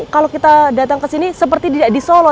kalau kita datang ke sini seperti tidak di solo